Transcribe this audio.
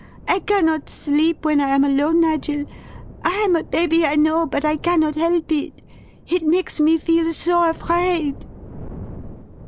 I cannot sleep when I am alone, Nigel. I am a baby I know, but I cannot help it. It makes me feel so afraid!"